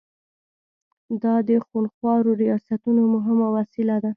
دا د خونخوارو ریاستونو مهمه وسیله ده.